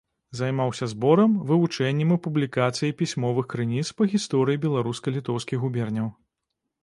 Займаўся зборам, вывучэннем і публікацыяй пісьмовых крыніц па гісторыі беларуска-літоўскіх губерняў.